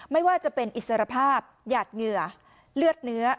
ไม่ว่าจะเป็นอิสรภาพหยาดเหงื่อเลือดเนื้อ